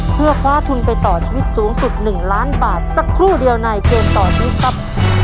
เพื่อคว้าทุนไปต่อชีวิตสูงสุด๑ล้านบาทสักครู่เดียวในเกมต่อชีวิตครับ